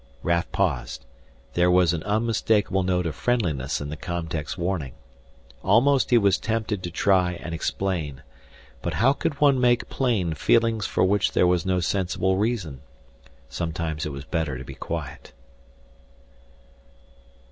Raf paused. There was an unmistakable note of friendliness in the com tech's warning. Almost he was tempted to try and explain. But how could one make plain feelings for which there was no sensible reason? Sometimes it was better to be quiet.